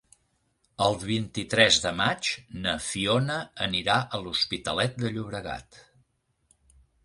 El vint-i-tres de maig na Fiona anirà a l'Hospitalet de Llobregat.